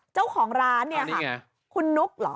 เจ้าของร้านเนี่ยค่ะคุณนุ๊กเหรอ